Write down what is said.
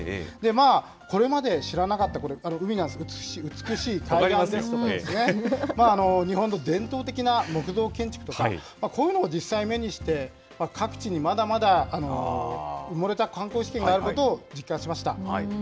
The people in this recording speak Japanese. これまで知らなかった、海なんですが、美しい海岸ですとか、日本の伝統的な木造建築とか、こういうのを実際に目にして、各地にまだまだ、埋もれた観光資源があることを実感しました。